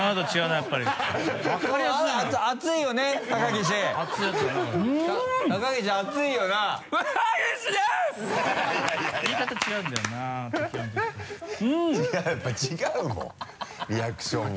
やっぱ違うもんリアクションが。